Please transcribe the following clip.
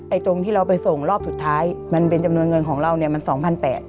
ตรงที่เราไปส่งรอบสุดท้ายมันเป็นจำนวนเงินของเราเนี่ยมัน๒๘๐๐บาท